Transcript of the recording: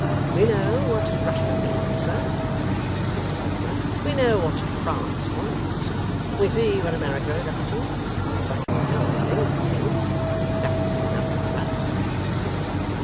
'We know what Russia means, sir,' says Podsnap; 'we know what France wants; we see what America is up to; but we know what England is. That's enough for us.